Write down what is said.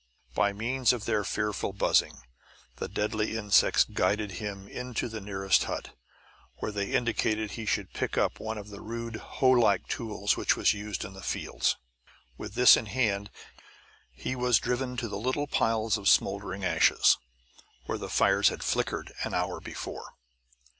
By means of their fearful buzzing, the deadly insects guided him into the nearest hut, where they indicated that he should pick up one of the rude hoelike tools which was used in the fields. With this in hand, he was driven to the little piles of smoldering ashes, where the fires had flickered an hour before.